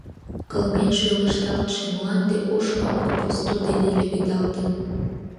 Кылмен шелышталтше мланде ош мамык посто дене леведалтын.